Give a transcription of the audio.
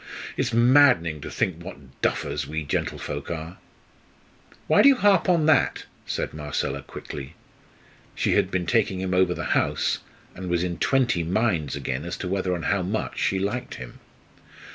"It's maddening to think what duffers we gentlefolks are!" "Why do you harp on that?" said Marcella, quickly. She had been taking him over the house, and was in twenty minds again as to whether and how much she liked him.